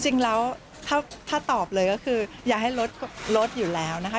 จริงแล้วถ้าตอบเลยก็คืออย่าให้ลดอยู่แล้วนะคะ